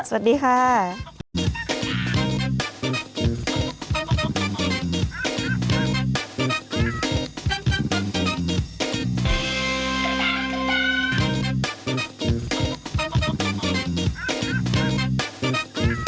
สวัสดีค่ะ